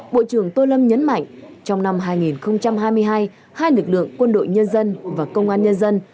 bộ trưởng tô lâm nhấn mạnh trong năm hai nghìn hai mươi hai hai lực lượng quân đội nhân dân và công an nhân dân